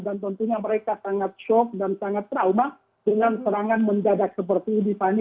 dan tentunya mereka sangat shock dan sangat trauma dengan serangan menjadak seperti ini